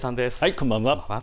こんばんは。